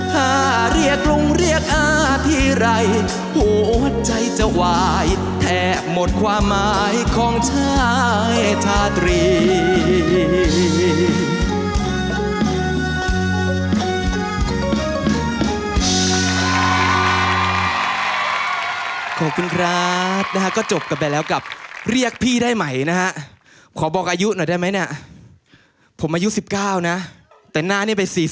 ถ้าเรียกลุงเรียกอาทีไรหัวใจจะวายแทบหมดความหมายของชายชาตรี